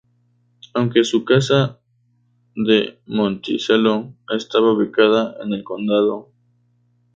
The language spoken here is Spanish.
Aunque su casa de Monticello estaba ubicada en el condado.